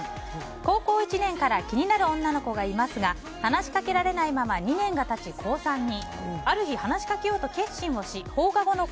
高校１年から気になる女の子がいますが話しかけられないまま２年が経ち、高３に。